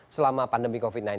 selama pandemi covid sembilan belas